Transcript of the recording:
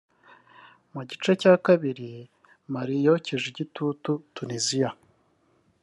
Mu gice cya kabiri Mali yokeje igitutu Tunisia